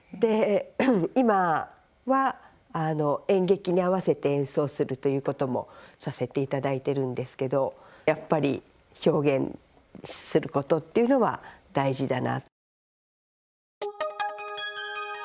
今は演劇に合わせて演奏するということもさせていただいてるんですけどやっぱり表現することっていうのは大事だな。